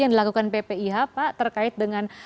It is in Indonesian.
yang dilakukan ppih pak terkait dengan